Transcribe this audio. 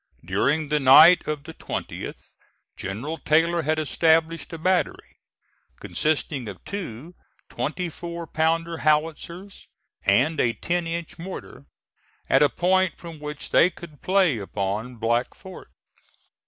During the night of the 20th General Taylor had established a battery, consisting of two twenty four pounder howitzers and a ten inch mortar, at a point from which they could play upon Black Fort.